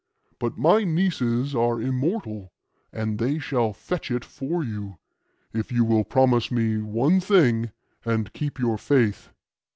But my nieces are immortal, and they shall fetch it for you, if you will promise me one thing and keep your faith.